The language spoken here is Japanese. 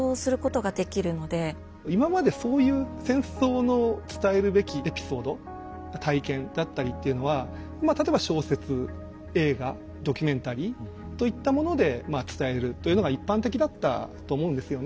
今までそういう戦争の伝えるべきエピソード体験だったりっていうのは例えば小説映画ドキュメンタリーといったものでまあ伝えるというのが一般的だったと思うんですよね。